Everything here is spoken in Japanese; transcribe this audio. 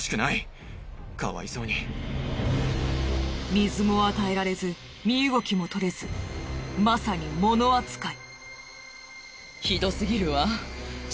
水も与えられず身動きもとれずまさにモノ扱い。